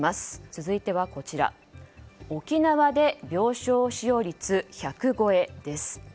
続いては沖縄で病床使用率１００超えです。